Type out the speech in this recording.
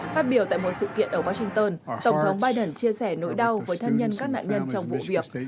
phát biểu tại một sự kiện ở washington tổng thống biden chia sẻ nỗi đau với thân nhân các nạn nhân trong vụ việc